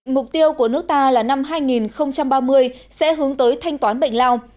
mục tiêu của nước ta là năm hai nghìn ba mươi sẽ hướng tới thanh toán bệnh lao